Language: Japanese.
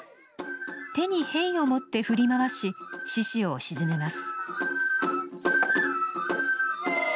手に幣を持って振り回し獅子を鎮めます。